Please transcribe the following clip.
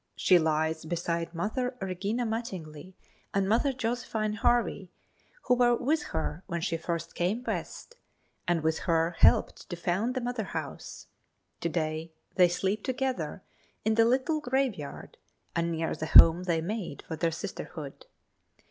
She lies beside Mother Regina Mattingly and Mother Josephine Harvey, who were with her when she first came West, and with her helped to found the mother house. To day they sleep together in the little graveyard and near the home they made for their sisterhood.